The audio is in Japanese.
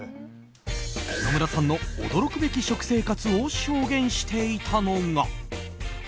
野村さんの驚くべき食生活を証言していたのが。